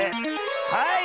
はい。